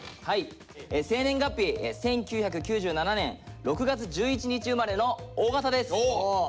生年月日１９９７年６月１１日生まれのＯ型です。